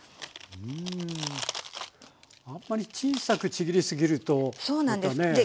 うんあんまり小さくちぎり過ぎるとまたね。